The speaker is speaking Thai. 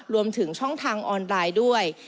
รวมถึงช่องทางออนไลน์ด้วย